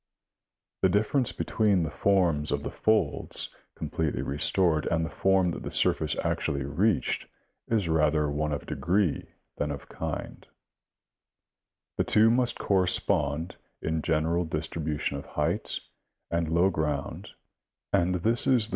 The difference between the form of the folds com pletely restored and the form that the surface actually reached is rather one of degree than of kind ; the two must correspond in the general distribution of high and low ground and this is the 222 National Geographic Magazine.